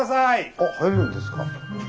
あ入れるんですか？